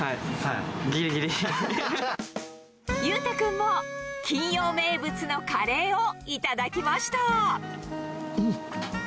裕太君も金曜名物のカレーをいただきましたうん！